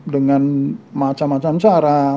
dengan macam macam cara